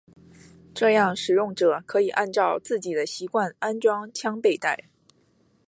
这样使用者可以按照自己的习惯安装枪背带。